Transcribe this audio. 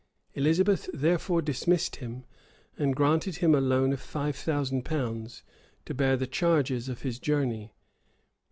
Elizabeth therefore dismissed him; and granted him a loan of five thousand pounds, to bear the charges of his journey.